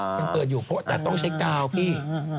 ยังเปิดอยู่แต่ต้องใช้กาวพี่